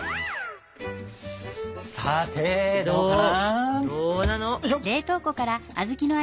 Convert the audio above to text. さてどうかな？